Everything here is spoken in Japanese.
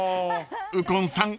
［右近さん